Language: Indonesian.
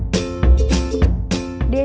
desa peduli pendidikan